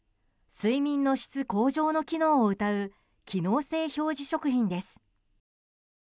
睡眠の質向上の機能をうたう機能性表示食品です。